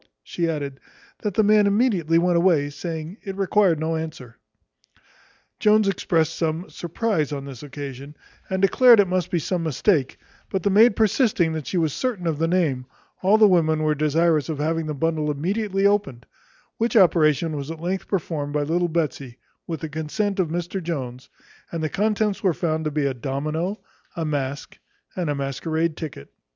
She added, "That the man immediately went away, saying, it required no answer." Jones expressed some surprize on this occasion, and declared it must be some mistake; but the maid persisting that she was certain of the name, all the women were desirous of having the bundle immediately opened; which operation was at length performed by little Betsy, with the consent of Mr Jones: and the contents were found to be a domino, a mask, and a masquerade ticket.